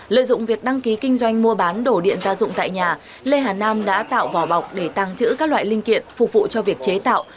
lợi dụng việc đăng ký kinh doanh mua bán đổ điện gia dụng tại nhà lê hà nam đã tạo vỏ bọc để tàng trữ các loại linh kiện phục vụ cho việc chế tạo